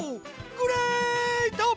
グレイト！